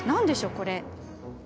これ。